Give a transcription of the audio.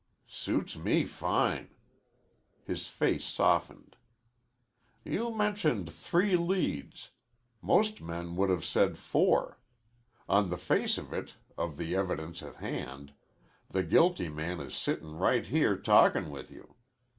"Suits me fine." His face softened. "You mentioned three leads. Most men would have said four. On the face of it, of the evidence at hand, the guilty man is sittin' right here talkin' with you.